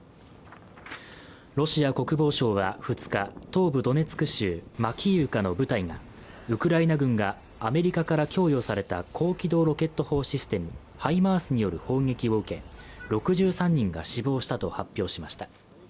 ロシア国防省は２日、東部ドネツク州マキーウカの部隊がウクライナ軍がアメリカから供与された高機動ロケット砲システムハイマースによる砲撃を受け６３人が死亡したと発表しました。